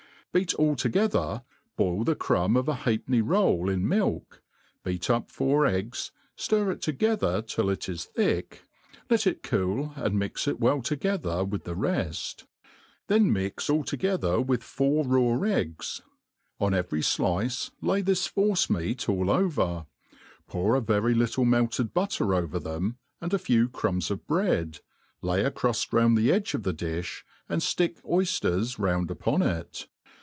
Beat all together, boil the crumb of a halfpenny roll in milk, beat up four eggs. Air it together till it is thick, let it cool and mix it well together with the reft i then mix all together with four raW' ^ggs ; on every (lice lay this force meat all over, pour a very little melted butter over them, and a few crumbs of bread, lay a cruft round the edge of thedi(h, and ftick oyfters round upon it.